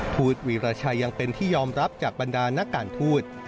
ทูตวีรชัยยังเป็นที่ยอมรับจากบรรดานักการทูต